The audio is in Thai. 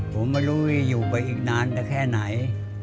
ผมไม่รู้จะอยู่ไปอีกนานแค่ไหน